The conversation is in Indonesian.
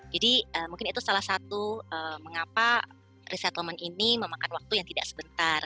jadi mungkin itu salah satu mengapa resettlement ini memakan waktu yang tidak sebentar